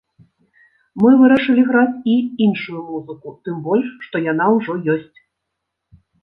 Мы вырашылі граць і іншую музыку, тым больш, што яна ўжо ёсць.